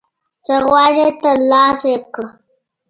څه غواړي ترلاسه یې کړه